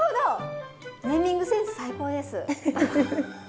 ネーミングセンス最高です！